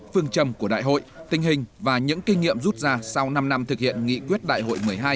phương châm của đại hội tình hình và những kinh nghiệm rút ra sau năm năm thực hiện nghị quyết đại hội một mươi hai